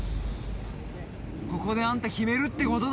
ここであんた決めるってことだろ？